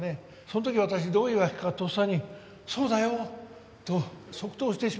その時私どういうわけかとっさに「そうだよ」と即答してしまったんです。